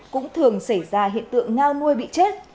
cũng thường xảy ra hiện tượng ngao nuôi bị chết